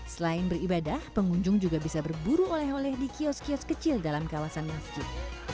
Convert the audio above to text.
selain beribadah pengunjung juga bisa berburu oleh oleh di kios kios kecil dalam kawasan masjid